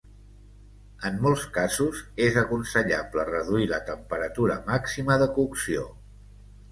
En molts casos és aconsellable reduir la temperatura màxima de cocció.